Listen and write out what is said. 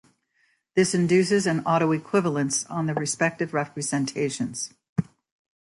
This induces an autoequivalence on the respective representations.